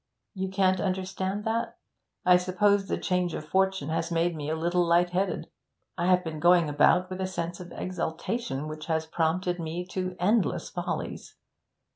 You can't understand that? I suppose the change of fortune has made me a little light headed; I have been going about with a sense of exaltation which has prompted me to endless follies.